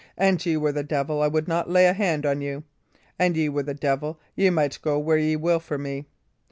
An ye were the devil, I would not lay a hand on you. An ye were the devil, ye might go where ye will for me.